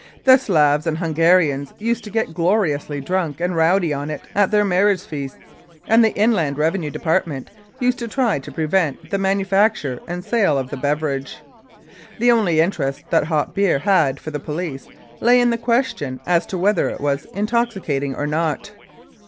The Slavs and Hun garians used to get gloriously drunk and rowdy on it at their marriage feasts, and the Inland Revenue Depart ment used to try to prevent the manufacture and sale of the beverage. The only interest that hop beer had for the police lay in the question as to whether it was intoxicating or not.